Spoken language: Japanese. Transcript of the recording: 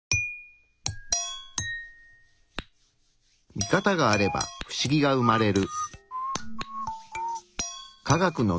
ミカタがあればフシギが生まれる。